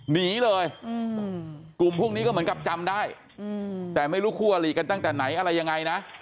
หนีเลยกลุ่มพวกนี้ก็เหมือนกับจำได้แต่ไม่รู้คู่อลีกันตั้งแต่ไหนอะไรยังไงนะ